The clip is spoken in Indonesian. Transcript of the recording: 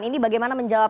ini bagaimana menjawab